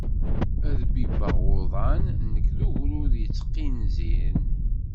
Ad bibbeɣ uḍan nekk d ugrud yetqinẓin.